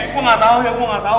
gue gak tau ya gue gak tau